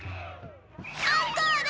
アンコール！